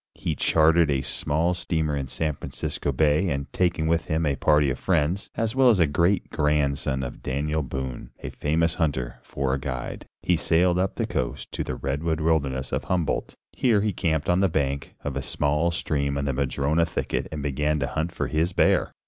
He chartered a small steamer in San Francisco Bay and taking with him a party of friends, as well as a great grandson of Daniel Boone, a famous hunter, for a guide, he sailed up the coast to the redwood wilderness of Humboldt. Here he camped on the bank of a small stream in a madrona thicket and began to hunt for his bear.